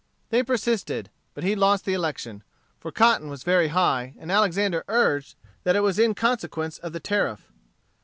They persisted; but he lost the election; for cotton was very high, and Alexander urged that it was in consequence of the Tariff.